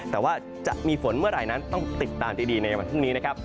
แต่ว่าจะมีฝนเมื่อไหร่นั้นต้องติดตามดีในวันพรุ่งนี้นะครับ